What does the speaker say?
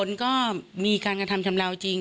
ผลก็มีการทำชำเลาจริง